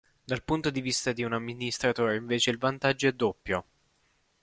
Dal punto di vista di un amministratore invece il vantaggio è doppio.